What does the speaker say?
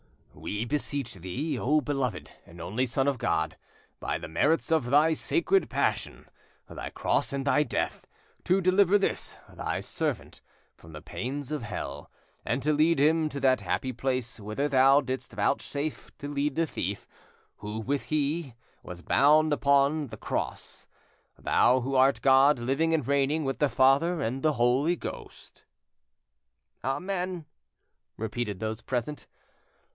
"We beseech Thee, O beloved and only Son of God, by the merits of Thy sacred Passion, Thy Cross and Thy Death, to deliver this Thy servant from the pains of Hell, and to lead him to that happy place whither Thou didst vouchsafe to lead the thief, who, with Thee, was bound upon the Cross: Thou, who art God, living and reigning with the Father and the Holy Ghost." "Amen," repeated those present.